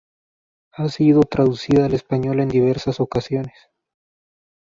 Ha sido traducida al español en diversas ocasiones.